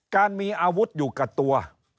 การมีอาวุธอยู่กับตัว